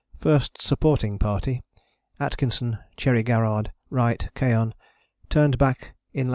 First Supporting Party (Atkinson, Cherry Garrard, Wright, Keohane) turned back in lat.